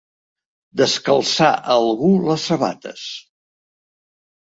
Descalçar a algú les sabates.